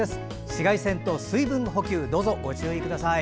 紫外線と水分補給どうぞご注意ください。